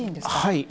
はい。